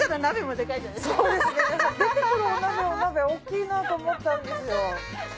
出てくるお鍋も大きいなと思ったんですよ。